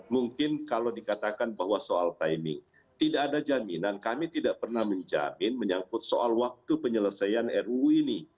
mungkin kalau dikatakan bahwa soal timing tidak ada jaminan kami tidak pernah menjamin menyangkut soal waktu penyelesaian ruu ini